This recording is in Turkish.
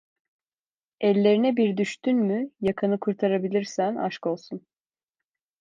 Ellerine bir düştün mü yakanı kurtarabilirsen aşkolsun.